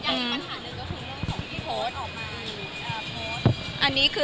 อืมอันนี้คือ